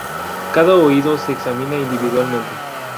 Cada oído se examina individualmente.